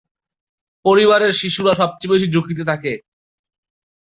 পরিবারের শিশুরা সবচেয়ে বেশি ঝুঁকিতে থাকে।